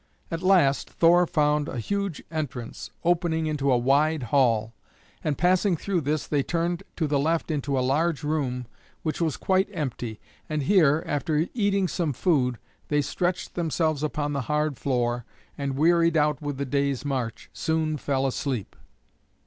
At last Thor found a huge entrance opening into a wide, hall, and passing through this they turned to the left into a large room which was quite empty, and here, after eating some food, they stretched themselves upon the hard floor and wearied out with the day's march, soon fell asleep.